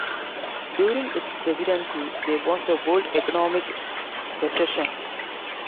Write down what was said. During his presidency, there was a world economic recession.